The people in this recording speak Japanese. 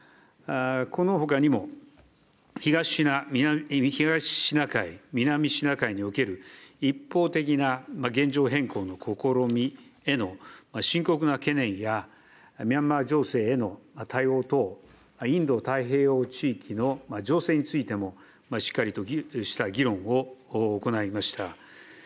このほかにも、東シナ海、南シナ海における、一方的な現状変更の試みへの深刻な懸念や、ミャンマー情勢への対応等、インド太平洋地域の情勢についても、しっかりとした議論を行いました。